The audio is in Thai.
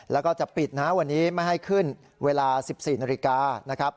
แล้วก็จะปิดวันนี้ไม่ให้ขึ้นเวลา๑๔นาฬิกา